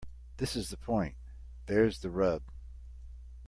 This is the point. There's the rub.